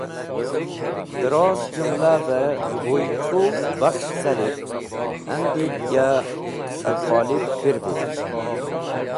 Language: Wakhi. Dẽroz jũmlavẽ boy tru bakhs̃h carit andib ya arqolib pirvit.